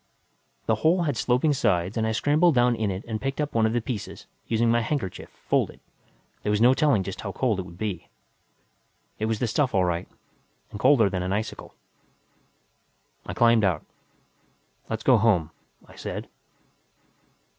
The hole had sloping sides and I scrambled down in it and picked up one of the pieces, using my handkerchief, folded there was no telling just how cold it would be. It was the stuff, all right. And colder than an icicle. I climbed out. "Let's go home," I said.